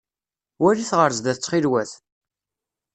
Walit ɣer zdat ttxil-wet!